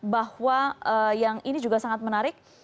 bahwa yang ini juga sangat menarik